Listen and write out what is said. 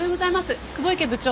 久保池部長。